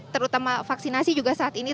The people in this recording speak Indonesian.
terutama vaksinasi juga saat ini